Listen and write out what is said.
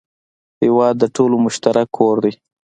هېواد د ټولو مشترک کور دی.